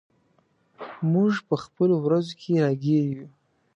موږ په خپلو ورځو کې راګیر یو.